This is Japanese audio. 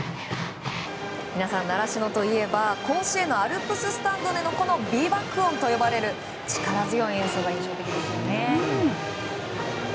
皆さん、習志野といえば甲子園のアルプススタンドでのこの美爆音と呼ばれる力強い演奏が印象的ですよね。